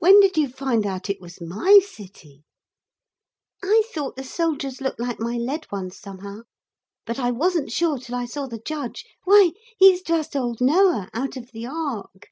'When did you find out it was my city?' 'I thought the soldiers looked like my lead ones somehow. But I wasn't sure till I saw the judge. Why he's just old Noah, out of the Ark.'